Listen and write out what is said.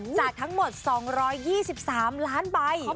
จากทั้งหมด๒๒๓ล้านใบ